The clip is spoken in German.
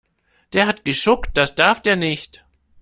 Der hat geschuckt, das darf der nicht.